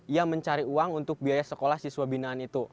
ia mencari uang untuk biaya sekolah siswa binaan itu